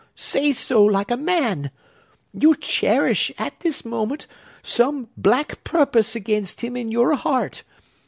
Say so, like a man! You cherish, at this moment, some black purpose against him in your heart!